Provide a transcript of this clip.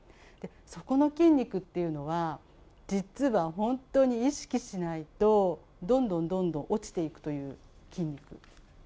そこの筋肉っていうのは、実は本当に意識しないと、どんどんどんどん落ちていくという筋肉。